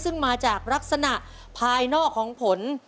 ซึ่งมาจากลักษณะภายนอกของผล